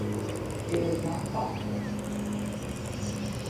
It was not possible.